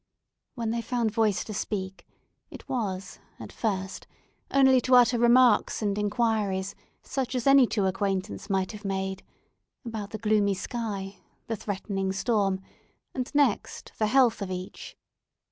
When they found voice to speak, it was at first only to utter remarks and inquiries such as any two acquaintances might have made, about the gloomy sky, the threatening storm, and, next, the health of each.